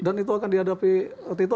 itu akan dihadapi tito